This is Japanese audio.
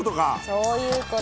そういうこと。